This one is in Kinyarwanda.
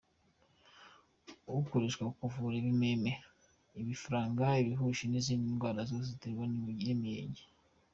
Ukoreshwa mu kuvura ibimeme, ibifaranga, ibihushi n’izindi ndwara zose ziterwa n’imiyege.